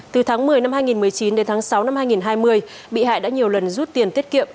từ tháng một mươi năm hai nghìn một mươi chín đến tháng sáu năm hai nghìn hai mươi bị hại đã nhiều lần rút tiền tiết kiệm